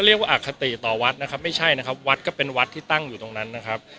เรียกว่าอคติต่อวัดนะครับไม่ใช่นะครับวัดก็เป็นวัดที่ตั้งอยู่ตรงนั้นนะครับ